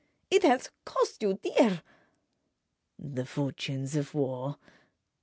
"It has cost you dear!" "The fortunes of war ..."